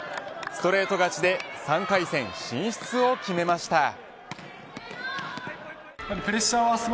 ストレート勝ちで３回戦進出を決めました。